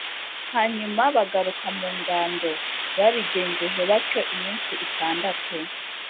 hanyuma bagaruka mu ngando. babigenjeje batyo iminsi itandatu.